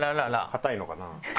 硬いのかな？